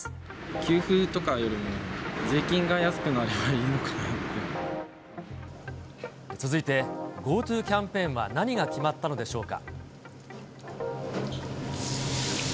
給付とかよりも、続いて、ＧｏＴｏキャンペーンは何が決まったのでしょうか。